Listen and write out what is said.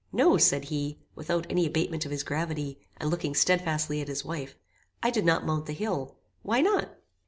"No," said he, without any abatement of his gravity, and looking stedfastly at his wife, "I did not mount the hill." "Why not?"